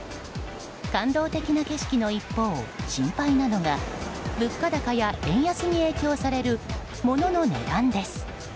感動的な景色の一方、心配なのが物価高や円安に影響される物の値段です。